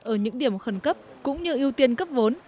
ở những điểm khẩn cấp cũng như ưu tiên cấp vốn